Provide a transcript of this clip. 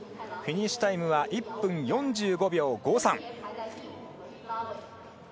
フィニッシュタイムは１分４５秒５３。